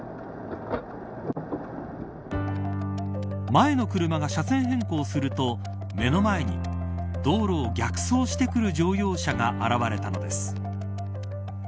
前の車が車線変更すると目の前に道路を逆走してくる乗用車が現れたのです。